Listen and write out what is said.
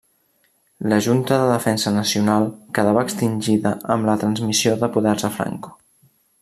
La Junta de Defensa Nacional quedava extingida amb la transmissió de poders a Franco.